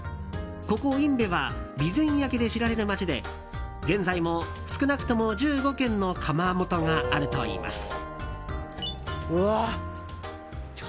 ここ伊部は備前焼で知られる街で現在も、少なくとも１５軒の窯元があるといいます。